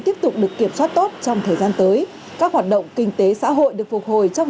tiếp tục được kiểm soát tốt trong thời gian tới các hoạt động kinh tế xã hội được phục hồi trong